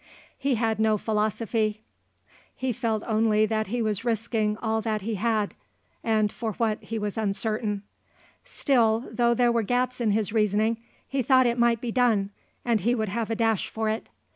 He had no philosophy; he felt only that he was risking all that he had, and for what he was uncertain. Still, though there were gaps in his reasoning, he thought it might be done and he would have a dash for it.